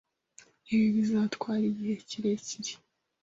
Ibi bizatwara igihe kirekire?